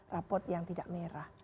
raport yang tidak merah